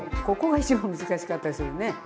ここが一番難しかったりするね。